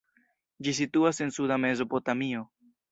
Ĝi situas en suda Mezopotamio.